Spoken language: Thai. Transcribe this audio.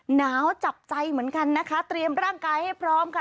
หนาวจับใจเหมือนกันนะคะเตรียมร่างกายให้พร้อมค่ะ